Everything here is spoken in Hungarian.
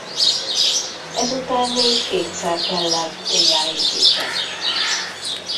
Ezután még kétszer kellett újjáépíteni.